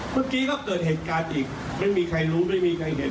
เมื่อกี้ก็เกิดเหตุการณ์อีกไม่มีใครรู้ไม่มีใครเห็น